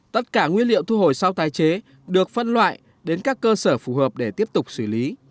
tất cả nguyên liệu thu hồi sau tái chế được phân loại đến các cơ sở phù hợp để tiếp tục xử lý